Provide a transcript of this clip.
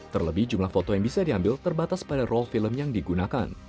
terlebih jumlah foto yang bisa diambil terbatas pada role film yang digunakan